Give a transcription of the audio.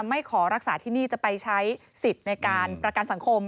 ไม่ขอรักษาที่นี่จะไปใช้สิทธิ์ในการประกันสังคม